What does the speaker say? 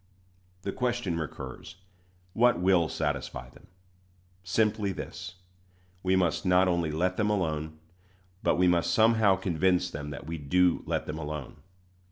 The question recurs, What will satisfy them? Simply this: we must not only let them alone, but we must somehow convince them that we do let them alone.